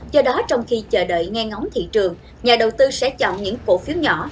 do đó trong khi chờ đợi ngang ngóng thị trường nhà đầu tư sẽ chọn những cổ phiếu nhỏ